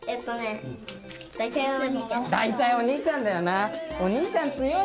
だいたいお兄ちゃんだよな。